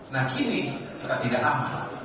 nah kini kita tidak aman